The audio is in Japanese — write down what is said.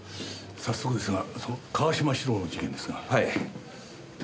早速ですがその川島史郎の事件ですが。